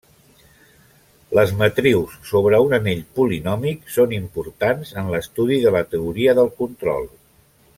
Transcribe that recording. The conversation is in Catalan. Les matrius sobre un anell polinòmic són importants en l'estudi de la teoria del control.